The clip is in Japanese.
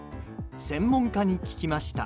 専門家に聞きました。